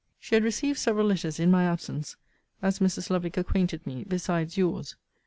She had received several letters in my absence, as Mrs. Lovick acquainted me, besides your's.